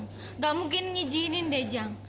enggak mungkin ngijinin deh jang